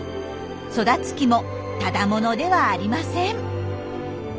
育つ木もただ者ではありません。